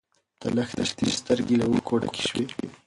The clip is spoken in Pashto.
د لښتې شنې سترګې له اوښکو ډکې شوې.